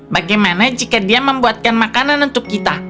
bagaimana jika dia membuatkan makanan untuk kita